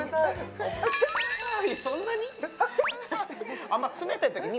そんなに？